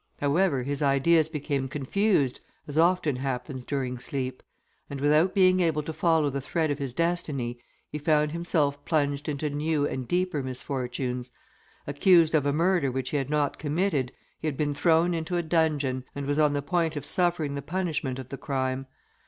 However, his ideas became confused, as often happens during sleep; and without being able to follow the thread of his destiny, he found himself plunged into new and deeper misfortunes. Accused of a murder which he had not committed, he had been thrown into a dungeon, and was on the point of suffering the punishment of the crime.